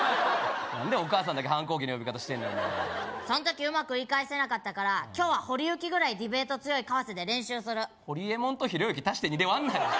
何でお母さんだけ反抗期の呼び方してんねんその時うまく言い返せなかったから今日はホリゆきぐらいディベート強い川瀬で練習するホリエモンとひろゆき足して２で割んなよ